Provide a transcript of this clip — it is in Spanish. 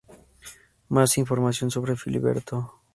Más información sobre Filiberto